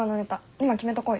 今決めとこうよ。